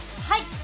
はい。